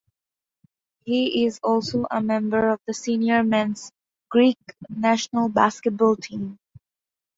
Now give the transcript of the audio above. He is also a member of the senior men's Greek national basketball team.